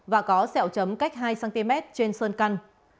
và có sẹo chấm cách hai cm trên sơn căn